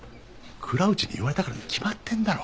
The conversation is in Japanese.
倉内に言われたからに決まってんだろ。